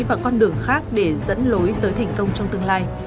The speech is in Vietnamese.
và con đường khác để dẫn lối tới thành công trong tương lai